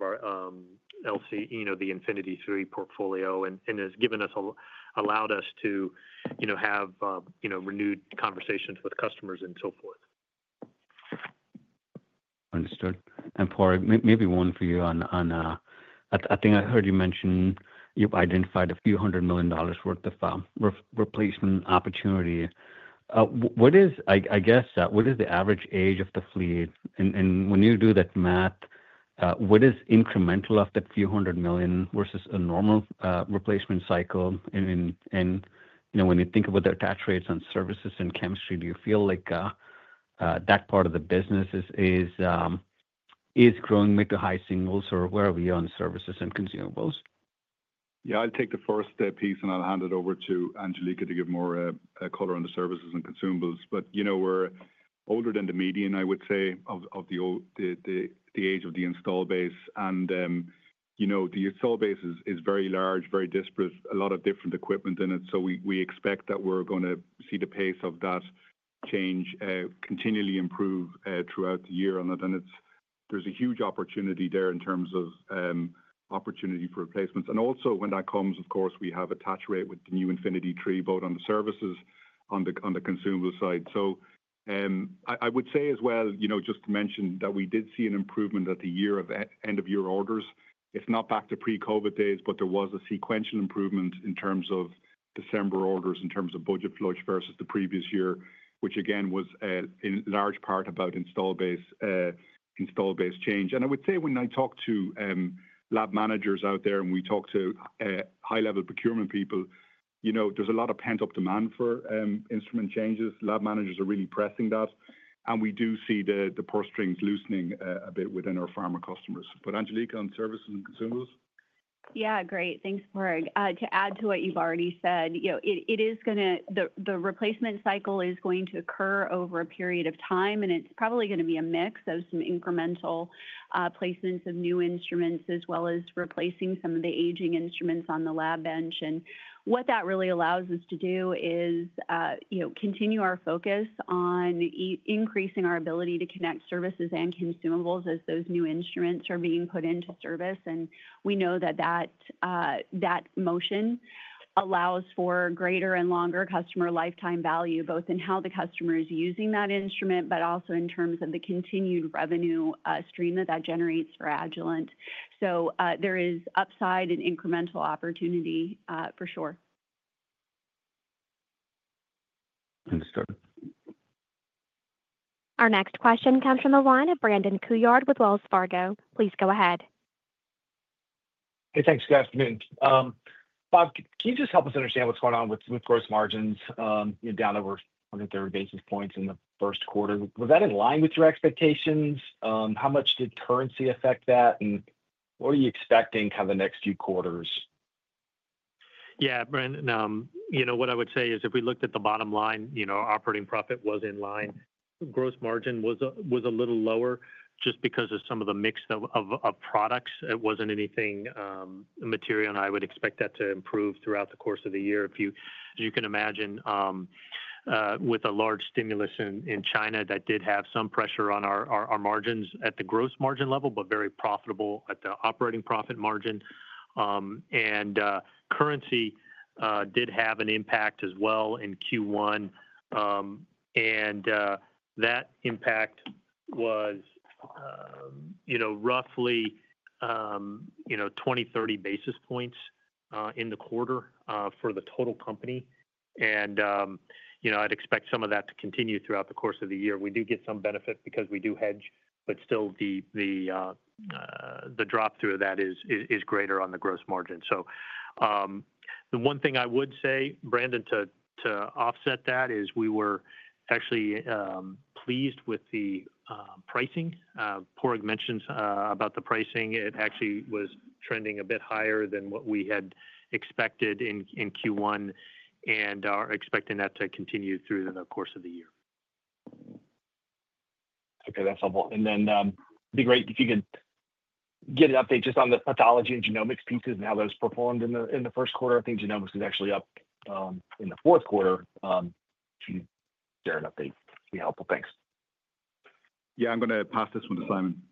the Infinity III portfolio and has given us, allowed us to have renewed conversations with customers and so forth. Understood. And Padraig, maybe one for you on, I think, I heard you mentioned you've identified a few hundred million dollars' worth of replacement opportunity. I guess what is the average age of the fleet? And when you do that math, what is incremental of that few hundred million versus a normal replacement cycle? And when you think about the attach rates on services and chemistry, do you feel like that part of the business is growing mid to high singles or where are we on services and consumables? Yeah, I'll take the first piece and I'll hand it over to Angelica to give more color on the services and consumables. But we're older than the median, I would say, of the age of the install base. And the install base is very large, very disparate, a lot of different equipment in it. So we expect that we're going to see the pace of that change continually improve throughout the year. And then there's a huge opportunity there in terms of opportunity for replacements. And also when that comes, of course, we have attach rate with the new Infinity III both on the services on the consumable side. So I would say as well, just to mention that we did see an improvement at the year of end of year orders. It's not back to pre-COVID days, but there was a sequential improvement in terms of December orders in terms of budget flush versus the previous year, which again was in large part about install base change. And I would say when I talk to lab managers out there and we talk to high-level procurement people, there's a lot of pent-up demand for instrument changes. Lab managers are really pressing that. And we do see the purse strings loosening a bit within our pharma customers. But Angelica on services and consumables? Yeah, great. Thanks, Padraig. To add to what you've already said, it is going to, the replacement cycle is going to occur over a period of time, and it's probably going to be a mix of some incremental placements of new instruments as well as replacing some of the aging instruments on the lab bench. And what that really allows us to do is continue our focus on increasing our ability to connect services and consumables as those new instruments are being put into service. And we know that that motion allows for greater and longer customer lifetime value, both in how the customer is using that instrument, but also in terms of the continued revenue stream that that generates for Agilent. So there is upside and incremental opportunity for sure. Understood. Our next question comes from the line of Brandon Couillard with Wells Fargo. Please go ahead. Hey, thanks, good afternoon. Bob, can you just help us understand what's going on with gross margins down over 130 basis points in the first quarter? Was that in line with your expectations? How much did currency affect that, and what are you expecting kind of the next few quarters? Yeah, Brandon, what I would say is if we looked at the bottom line, operating profit was in line. Gross margin was a little lower just because of some of the mix of products. It wasn't anything material, and I would expect that to improve throughout the course of the year. As you can imagine, with a large stimulus in China, that did have some pressure on our margins at the gross margin level, but very profitable at the operating profit margin. And currency did have an impact as well in Q1. And that impact was roughly 20-30 basis points in the quarter for the total company. And I'd expect some of that to continue throughout the course of the year. We do get some benefit because we do hedge, but still the drop through that is greater on the gross margin. So the one thing I would say, Brandon, to offset that is we were actually pleased with the pricing. Padraig mentions about the pricing. It actually was trending a bit higher than what we had expected in Q1 and are expecting that to continue through the course of the year. Okay, that's helpful. And then it'd be great if you could get an update just on the pathology and genomics pieces and how those performed in the first quarter. I think genomics is actually up in the fourth quarter? If you share an update, it'd be helpful. Thanks. Yeah, I'm going to pass this one to Simon.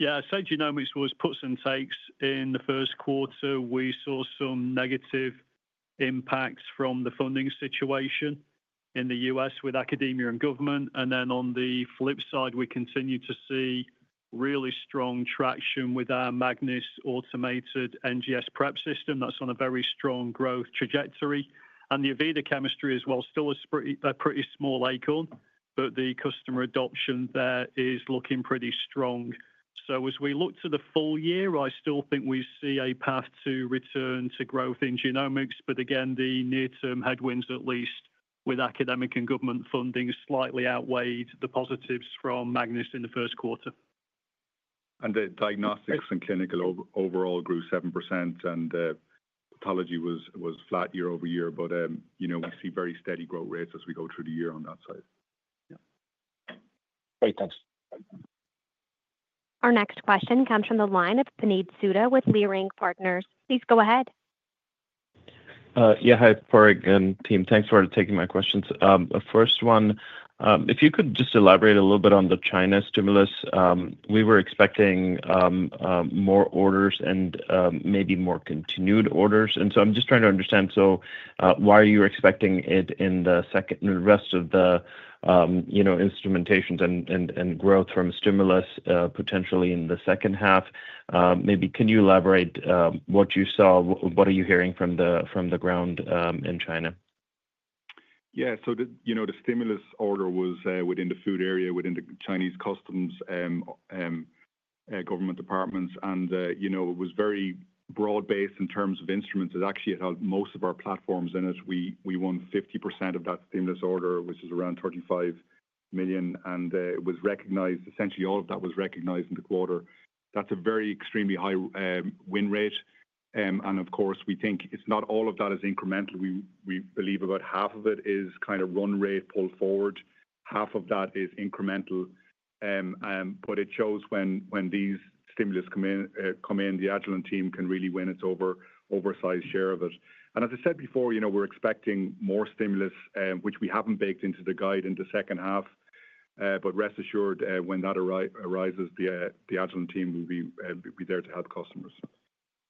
Yeah, I'd say genomics was puts and takes. In the first quarter, we saw some negative impacts from the funding situation in the U.S. with academia and government. And then on the flip side, we continue to see really strong traction with our Magnis automated NGS prep system. That's on a very strong growth trajectory. And the Avida chemistry as well still is a pretty small acorn, but the customer adoption there is looking pretty strong. So as we look to the full year, I still think we see a path to return to growth in genomics. But again, the near-term headwinds, at least with academic and government funding, slightly outweighed the positives from Magnis in the first quarter. The diagnostics and clinical overall grew 7%, and pathology was flat year-over-year. We see very steady growth rates as we go through the year on that side. Yeah. Great, thanks. Our next question comes from the line of Puneet Souda with Leerink Partners. Please go ahead. Yeah, hi, Padraig and team. Thanks for taking my questions. First one, if you could just elaborate a little bit on the China stimulus. We were expecting more orders and maybe more continued orders. And so I'm just trying to understand, so why are you expecting it in the second and the rest of the instrumentations and growth from stimulus potentially in the second half? Maybe can you elaborate what you saw? What are you hearing from the ground in China? Yeah, so the stimulus order was within the food area, within the Chinese customs and government departments. And it was very broad-based in terms of instruments. It actually had most of our platforms in it. We won 50% of that stimulus order, which is around $35 million. And it was recognized. Essentially, all of that was recognized in the quarter. That's a very extremely high win rate. And of course, we think it's not all of that is incremental. We believe about half of it is kind of run rate, pull forward. Half of that is incremental. But it shows when these stimulus come in, the Agilent team can really win its oversized share of it. And as I said before, we're expecting more stimulus, which we haven't baked into the guide in the second half. But rest assured, when that arises, the Agilent team will be there to help customers.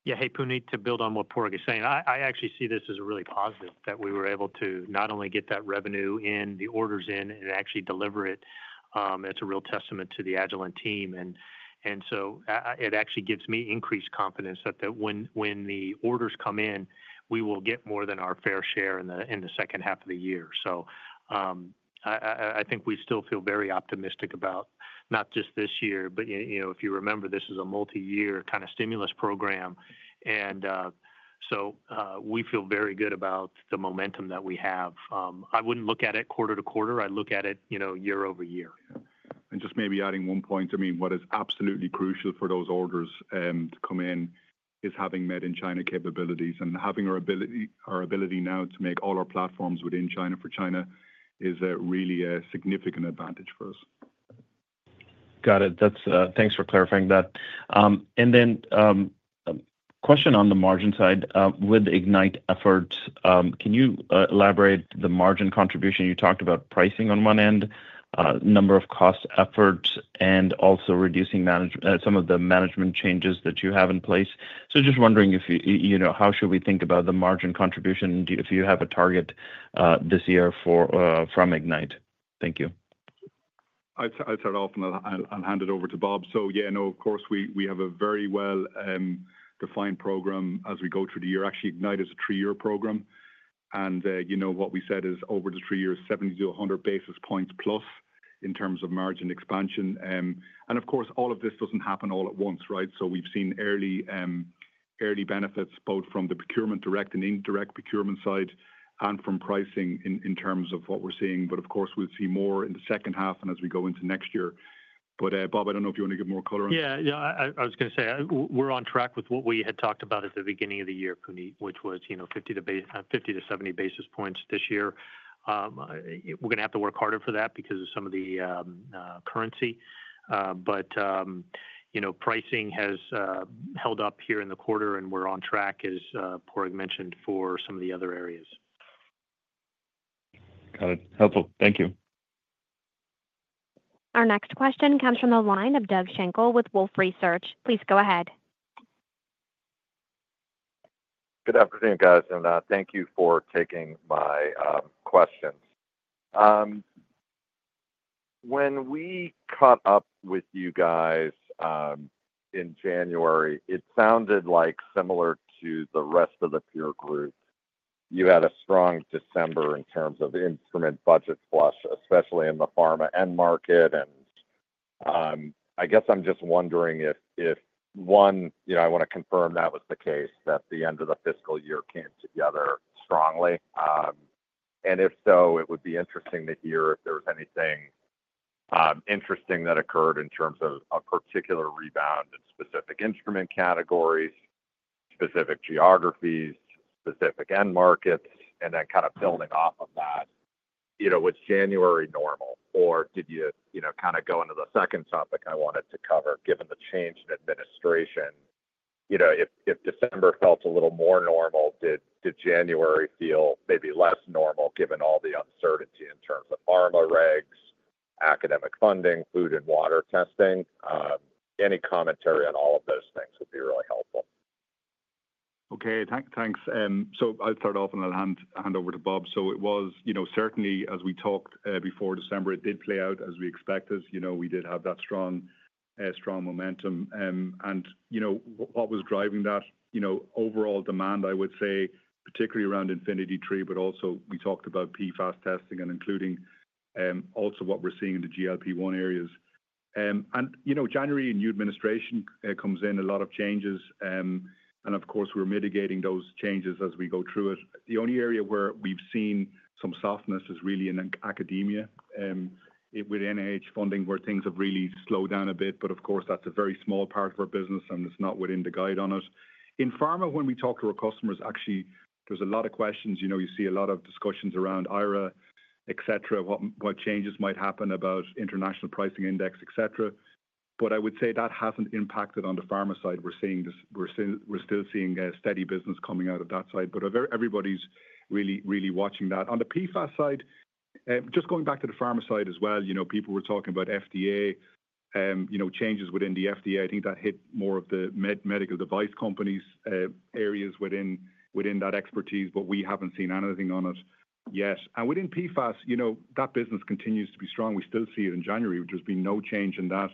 Yeah, hey, Puneet, to build on what Padraig is saying, I actually see this as a really positive that we were able to not only get that revenue in, the orders in, and actually deliver it. It's a real testament to the Agilent team, and so it actually gives me increased confidence that when the orders come in, we will get more than our fair share in the second half of the year. I think we still feel very optimistic about not just this year, but if you remember, this is a multi-year kind of stimulus program, and so we feel very good about the momentum that we have. I wouldn't look at it quarter-to-quarter. I look at it year-over-year. And just maybe adding one point. I mean, what is absolutely crucial for those orders to come in is having made in China capabilities and having our ability now to make all our platforms within China for China is really a significant advantage for us. Got it. Thanks for clarifying that. And then question on the margin side with Ignite efforts. Can you elaborate the margin contribution? You talked about pricing on one end, number of cost efforts, and also reducing some of the management changes that you have in place. So just wondering how should we think about the margin contribution if you have a target this year from Ignite? Thank you. I'd start off and hand it over to Bob. So yeah, no, of course, we have a very well-defined program as we go through the year. Actually, Ignite is a three-year program. And what we said is over the three years, 70 to 100 basis points plus in terms of margin expansion. And of course, all of this doesn't happen all at once, right? So we've seen early benefits both from the procurement direct and indirect procurement side and from pricing in terms of what we're seeing. But of course, we'll see more in the second half and as we go into next year. But Bob, I don't know if you want to give more color on that. Yeah, yeah. I was going to say we're on track with what we had talked about at the beginning of the year, Puneet, which was 50 to 70 basis points this year. We're going to have to work harder for that because of some of the currency. But pricing has held up here in the quarter, and we're on track, as Padraig mentioned, for some of the other areas. Got it. Helpful. Thank you. Our next question comes from the line of Doug Schenkel with Wolfe Research. Please go ahead. Good afternoon, guys. And thank you for taking my questions. When we caught up with you guys in January, it sounded like similar to the rest of the peer group, you had a strong December in terms of instrument budget flush, especially in the pharma end market. And I guess I'm just wondering if, one, I want to confirm that was the case that the end of the fiscal year came together strongly. And if so, it would be interesting to hear if there was anything interesting that occurred in terms of a particular rebound in specific instrument categories, specific geographies, specific end markets, and then kind of building off of that. Was January normal? Or did you kind of go into the second topic I wanted to cover given the change in administration? If December felt a little more normal, did January feel maybe less normal given all the uncertainty in terms of pharma regs, academic funding, food and water testing? Any commentary on all of those things would be really helpful. Okay, thanks. So I'll start off and hand over to Bob. So it was certainly, as we talked before December, it did play out as we expected. We did have that strong momentum. And what was driving that overall demand, I would say, particularly around Infinity III, but also we talked about PFAS testing and including also what we're seeing in the GLP-1 areas. And January in new administration comes in, a lot of changes. And of course, we're mitigating those changes as we go through it. The only area where we've seen some softness is really in academia with NIH funding where things have really slowed down a bit. But of course, that's a very small part of our business, and it's not within the guide on us. In pharma, when we talk to our customers, actually, there's a lot of questions. You see a lot of discussions around IRA, etc., what changes might happen about international pricing index, etc. But I would say that hasn't impacted on the pharma side. We're still seeing steady business coming out of that side. But everybody's really watching that. On the PFAS side, just going back to the pharma side as well, people were talking about FDA, changes within the FDA. I think that hit more of the medical device companies' areas within that expertise, but we haven't seen anything on it yet. And within PFAS, that business continues to be strong. We still see it in January. There's been no change in that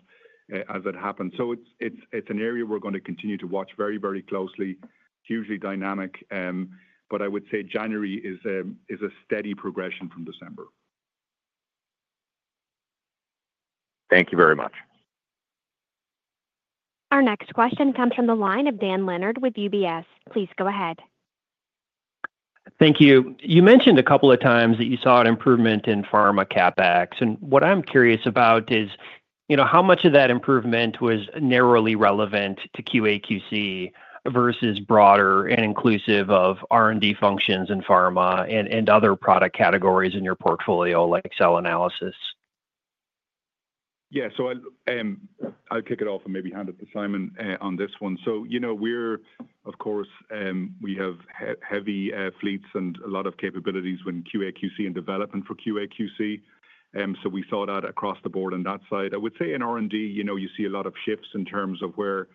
as it happened. So it's an area we're going to continue to watch very, very closely. Hugely dynamic. But I would say January is a steady progression from December. Thank you very much. Our next question comes from the line of Dan Leonard with UBS. Please go ahead. Thank you. You mentioned a couple of times that you saw an improvement in pharma CapEx. And what I'm curious about is how much of that improvement was narrowly relevant to QA/QC versus broader and inclusive of R&D functions in pharma and other product categories in your portfolio like cell analysis? Yeah, so I'll kick it off and maybe hand it to Simon on this one. So of course, we have heavy fleets and a lot of capabilities when QA/QC and development for QA/QC. So we saw that across the board on that side. I would say in R&D, you see a lot of shifts in terms of where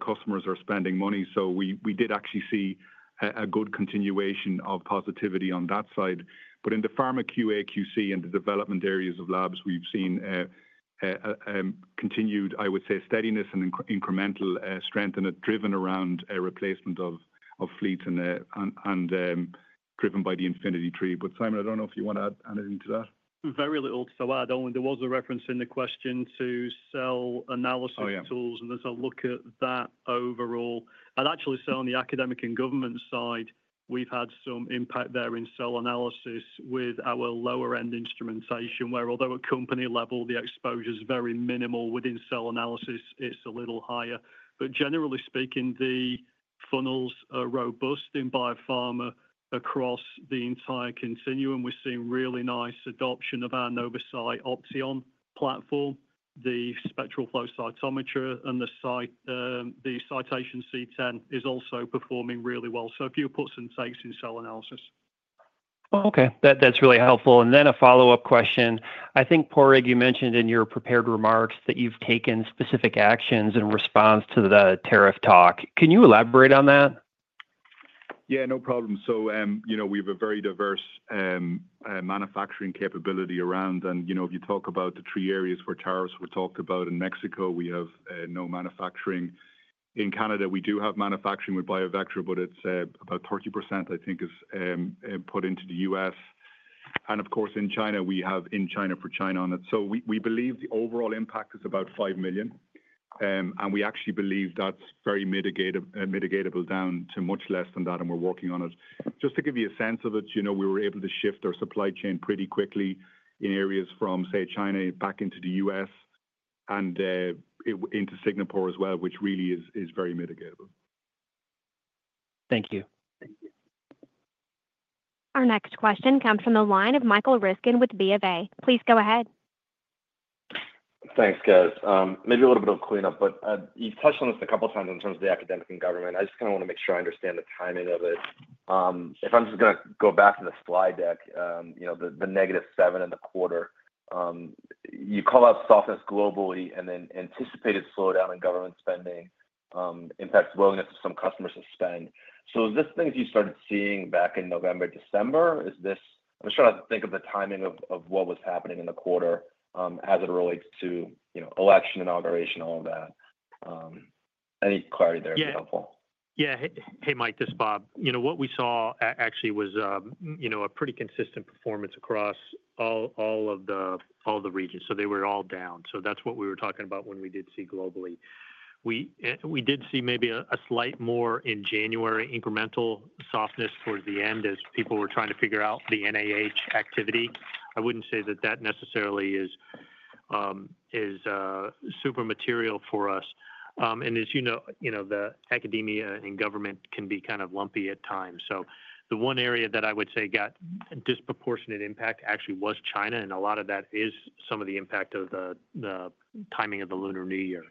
customers are spending money. So we did actually see a good continuation of positivity on that side. But in the pharma QA/QC and the development areas of labs, we've seen continued, I would say, steadiness and incremental strength and it's driven around replacement of fleets and driven by the Infinity III. But Simon, I don't know if you want to add anything to that. Very little. So there was a reference in the question to cell analysis tools, and there's a look at that overall. And actually, so on the academic and government side, we've had some impact there in cell analysis with our lower-end instrumentation, where although at company level, the exposure is very minimal within cell analysis, it's a little higher. But generally speaking, the funnels are robust in biopharma across the entire continuum. We're seeing really nice adoption of our NovoCyte Opteon platform, the spectral flow cytometer, and the Cytation C10 is also performing really well. So a few puts and takes in cell analysis. Okay, that's really helpful, and then a follow-up question. I think, Padraig, you mentioned in your prepared remarks that you've taken specific actions in response to the tariff talk. Can you elaborate on that? Yeah, no problem. So we have a very diverse manufacturing capability around. And if you talk about the three areas for tariffs we talked about in Mexico, we have no manufacturing. In Canada, we do have manufacturing with BioVectra, but it's about 30%, I think, is put into the U.S.. And of course, in China, we have in China for China on it. So we believe the overall impact is about $5 million. And we actually believe that's very mitigatable down to much less than that, and we're working on it. Just to give you a sense of it, we were able to shift our supply chain pretty quickly in areas from, say, China back into the U.S. and into Singapore as well, which really is very mitigatable. Thank you. Our next question comes from the line of Michael Ryskin with B of A. Please go ahead. Thanks, guys. Maybe a little bit of cleanup, but you've touched on this a couple of times in terms of the academic and government. I just kind of want to make sure I understand the timing of it. If I'm just going to go back to the slide deck, the negative seven in the quarter, you call out softness globally and then anticipated slowdown in government spending impacts willingness of some customers to spend. So is this thing that you started seeing back in November, December? I'm just trying to think of the timing of what was happening in the quarter as it relates to election inauguration, all of that. Any clarity there would be helpful. Yeah. Hey, Mike, this is Bob. What we saw actually was a pretty consistent performance across all of the regions. So they were all down. That's what we were talking about when we did see globally. We did see maybe a slight more in January incremental softness towards the end as people were trying to figure out the NIH activity. I wouldn't say that that necessarily is super material for us. As you know, the academia and government can be kind of lumpy at times. The one area that I would say got disproportionate impact actually was China. A lot of that is some of the impact of the timing of the Lunar New Year.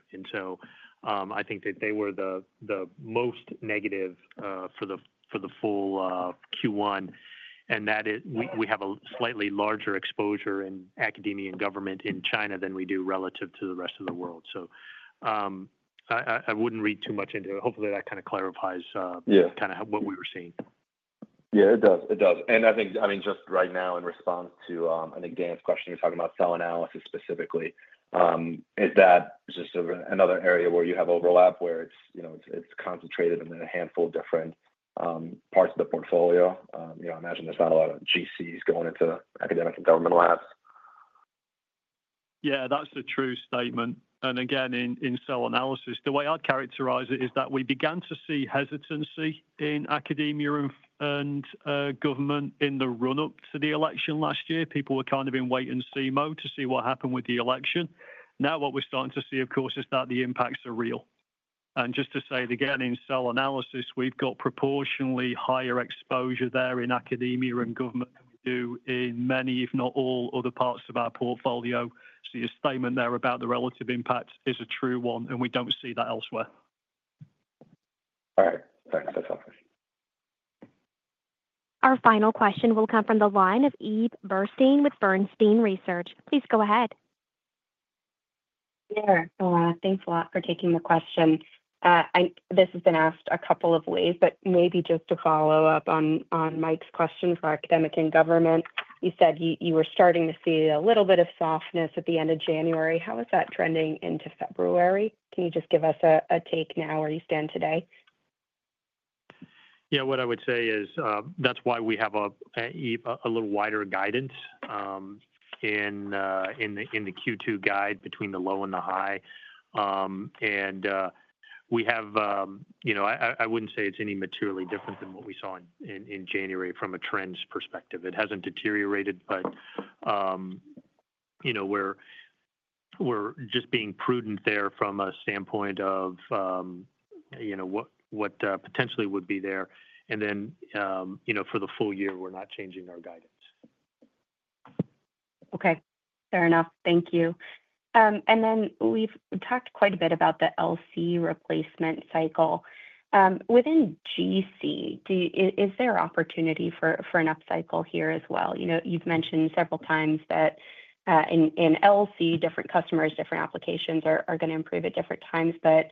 I think that they were the most negative for the full Q1. We have a slightly larger exposure in academia and government in China than we do relative to the rest of the world. So I wouldn't read too much into it. Hopefully, that kind of clarifies kind of what we were seeing. Yeah, it does. It does. And I think, I mean, just right now in response to an advanced question you're talking about, cell analysis specifically, is that just another area where you have overlap where it's concentrated in a handful of different parts of the portfolio? I imagine there's not a lot of GCs going into academic and government labs. Yeah, that's the true statement. And again, in cell analysis, the way I'd characterize it is that we began to see hesitancy in academia and government in the run-up to the election last year. People were kind of in wait-and-see mode to see what happened with the election. Now what we're starting to see, of course, is that the impacts are real. And just to say, again, in cell analysis, we've got proportionally higher exposure there in academia and government than we do in many, if not all, other parts of our portfolio. So your statement there about the relative impact is a true one, and we don't see that elsewhere. All right. Thanks. That's all. Our final question will come from the line of Eve Burstein with Bernstein Research. Please go ahead. Thanks a lot for taking the question. This has been asked a couple of ways, but maybe just to follow up on Mike's question for academic and government, you said you were starting to see a little bit of softness at the end of January. How is that trending into February? Can you just give us a take now where you stand today? Yeah, what I would say is that's why we have a little wider guidance in the Q2 guide between the low and the high. And we have, I wouldn't say it's any materially different than what we saw in January from a trends perspective. It hasn't deteriorated, but we're just being prudent there from a standpoint of what potentially would be there. And then for the full year, we're not changing our guidance. Okay. Fair enough. Thank you. And then we've talked quite a bit about the LC replacement cycle. Within GC, is there opportunity for an upcycle here as well? You've mentioned several times that in LC, different customers, different applications are going to improve at different times. But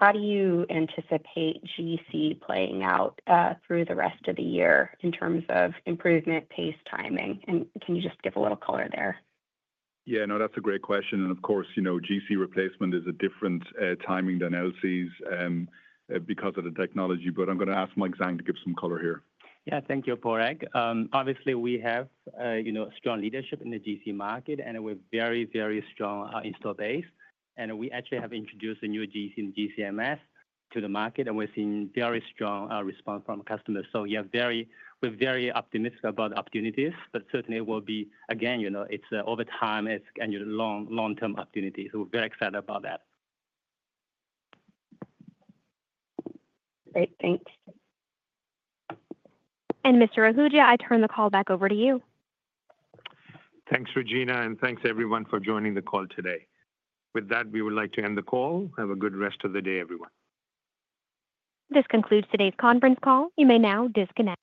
how do you anticipate GC playing out through the rest of the year in terms of improvement pace timing? And can you just give a little color there? Yeah, no, that's a great question. Of course, GC replacement is a different timing than LCs because of the technology, but I'm going to ask Mike Zhang to give some color here. Yeah, thank you, Padraig. Obviously, we have strong leadership in the GC market, and we're very, very strong in installed base. And we actually have introduced a new GC and GC/MS to the market, and we've seen very strong response from customers. So we're very optimistic about opportunities, but certainly it will be, again, it's over time, and the long-term opportunities. So we're very excited about that. Great. Thanks. And Mr. Ahuja, I turn the call back over to you. Thanks, Regina, and thanks everyone for joining the call today. With that, we would like to end the call. Have a good rest of the day, everyone. This concludes today's conference call. You may now disconnect.